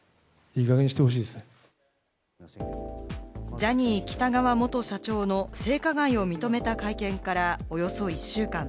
ジャニー喜多川元社長の性加害を認めた会見からおよそ１週間。